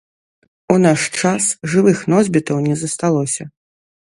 У наш час жывых носьбітаў не засталося.